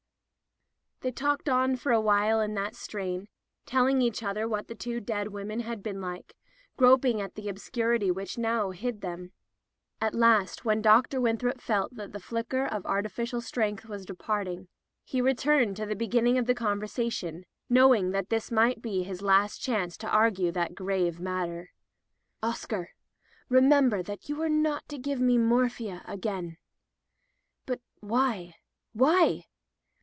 They talked on for a while in that strain, telling each other what the two dead women had been like, groping at the obscurity which now hid them. At last, when Dr. Winthrop felt that the flicker of artificial strength was departing, he returned to the beginning of the conversation, knowing that this might be his last chance to argue that grave matter. " Oscar, remember that you are not to give me morphia again." "But why— why?"